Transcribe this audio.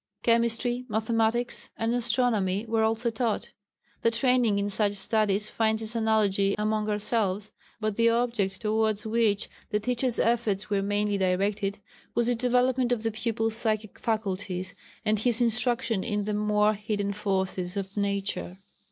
Chemistry, mathematics and astronomy were also taught. The training in such studies finds its analogy among ourselves, but the object towards which the teachers' efforts were mainly directed, was the development of the pupil's psychic faculties and his instruction in the more hidden forces of nature.